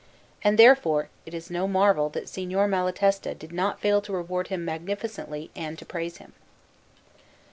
And therefore it is no marvel that Signor Malatesta did not fail to reward him magnificently and to praise him.